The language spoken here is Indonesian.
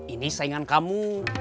ini saingan kamu